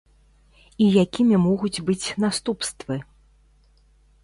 І якімі могуць быць наступствы?